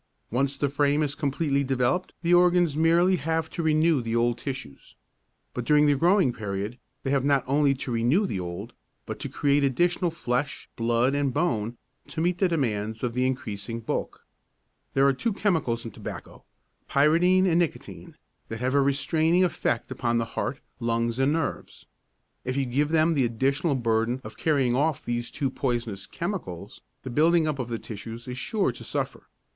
Once the frame is completely developed the organs merely have to renew the old tissues. But during the growing period they have not only to renew the old but to create additional flesh, blood and bone to meet the demands of the increasing bulk. There are two chemicals in tobacco, pyridine and nicotine, that have a restraining effect upon the heart, lungs and nerves. If you give them the additional burden of carrying off these two poisonous chemicals, the building up of the tissues is sure to suffer.